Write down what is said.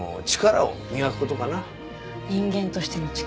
人間としての力。